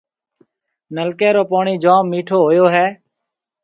نلڪيَ رو پوڻِي جوم مِيٺو هوئي هيَ۔